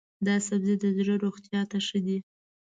دا سبزی د زړه روغتیا ته ښه دی.